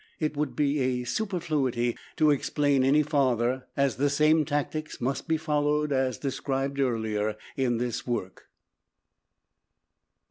It would be a superfluity to explain any farther, as the same tactics must be followed as described earlier in this work.